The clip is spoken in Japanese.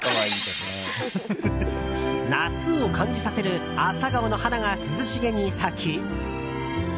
夏を感じさせるアサガオの花が涼しげに咲き。